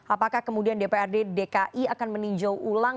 apakah kemudian dprd dki akan meninjau ulang